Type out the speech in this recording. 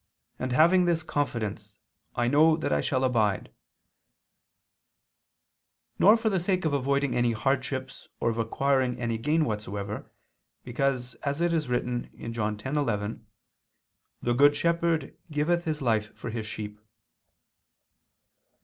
And having this confidence, I know that I shall abide"; nor for the sake of avoiding any hardships or of acquiring any gain whatsoever, because as it is written (John 10:11), "the good shepherd giveth his life for his sheep."